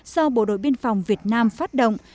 do bộ đội biên phòng việt nam phát động